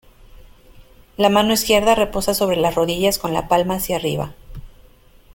La mano izquierda reposa sobre las rodillas con la palma hacia arriba.